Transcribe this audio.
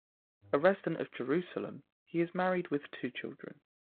A resident of Jerusalem, he is married with two children.